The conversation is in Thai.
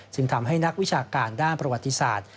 ทำให้นักวิชาการด้านประวัติศาสตร์